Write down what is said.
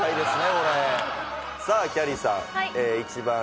これさあきゃりーさん